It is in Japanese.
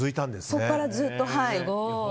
そこからずっと。